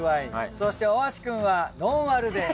そして大橋くんはノンアルで。